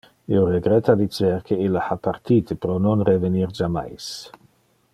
Io regretta dicer que ille ha partite pro non revenir jammais.